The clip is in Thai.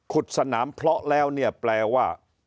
สนามเพราะแล้วเนี่ยแปลว่า